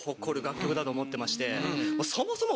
そもそも。